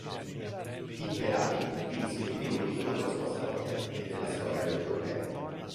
Tipperary vinse il primo titolo della sua storia, e della storia del torneo.